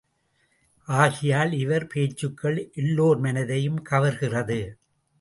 ஆகையால் இவர் பேச்சுக்கள் எல்லோர் மனதையும் கவர்கிறது.